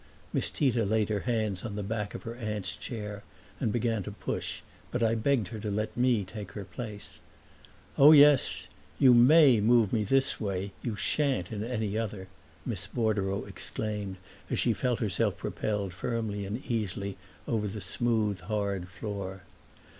Miss Tita laid her hands on the back of her aunt's chair and began to push, but I begged her to let me take her place. "Oh, yes, you may move me this way you shan't in any other!" Miss Bordereau exclaimed as she felt herself propelled firmly and easily over the smooth, hard floor.